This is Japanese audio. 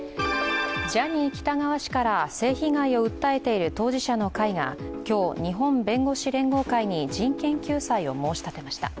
ジャニー喜多川氏から性被害を訴えている当事者の会が今日、日本弁護士連合会に人権救済を申し立てました。